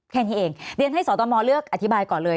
แค่นี้เองเรียนให้สตมเลือกอธิบายก่อนเลย